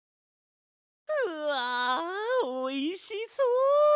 うわおいしそう！